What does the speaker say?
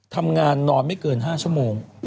นอนไม่เกิน๕ชั่วโมง